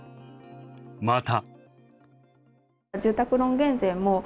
また。